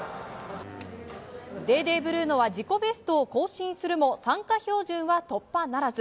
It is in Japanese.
デーデー・ブルーノは自己ベストを更新するも参加標準は突破ならず。